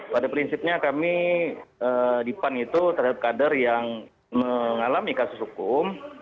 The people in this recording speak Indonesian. pada prinsipnya kami di pan itu terhadap kader yang mengalami kasus hukum